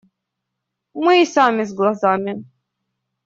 Мы и сами с глазами.